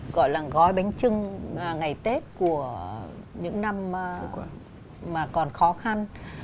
gọi là gói bánh trưng ngày tết của những năm mà còn khó khăn